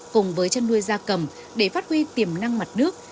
cùng với chăn nuôi da cầm để phát huy tiềm năng mặt nước